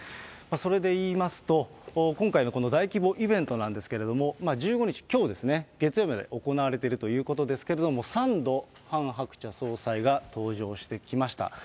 それでいいますと、今回のこの大規模イベントなんですけれども、１５日、きょうですね、月曜まで行われているということですけれども、３度、ハン・ハクチャ総裁が登場してきました。